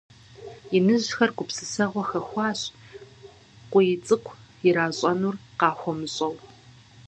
Иныжьхэр гупсысэгъуэ хэхуащ, КъуийцӀыкӀу иращӀэнур къахуэмыщӀэу.